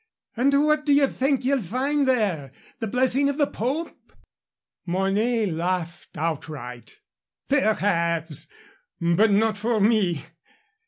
"And what do ye think ye'll find there the blessing of the Pope?" Mornay laughed outright. "Perhaps, but not for me.